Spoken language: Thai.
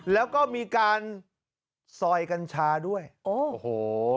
แล้วก็มีการซอยกัญชาด้วยโอ้โห